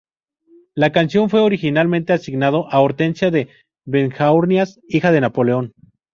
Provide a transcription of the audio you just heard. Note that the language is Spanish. La canción fue originalmente asignado a Hortensia de Beauharnais, hija de Napoleón.